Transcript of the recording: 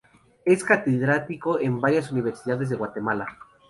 Es catedrático en varias universidades de Guatemala.